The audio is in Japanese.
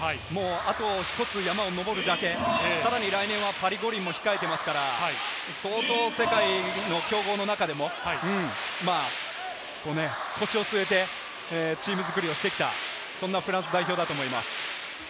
あと１つ山を登るだけ、さらに来年はパリ五輪も控えていますから相当世界の強豪の中でも腰を据えてチーム作りをしてきた、そんなフランス代表だと思います。